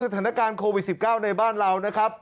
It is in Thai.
สถานการณ์โควิด๑๙ในบ้านเรานะครับ